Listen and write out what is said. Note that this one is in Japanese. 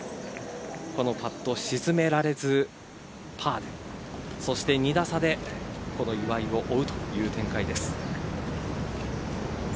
このパットを沈められずパーでそして２打差でこの岩井を追うという展開です。